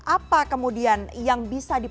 apa kemudian yang bisa diperlukan